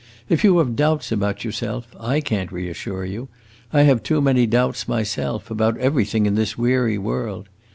If you have doubts about yourself, I can't reassure you; I have too many doubts myself, about everything in this weary world.